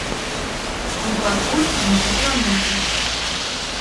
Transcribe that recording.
І пакуль не планую.